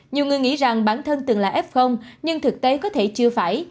nhiều người nghĩ rằng bản thân từng là f nhưng thực tế có thể chưa phải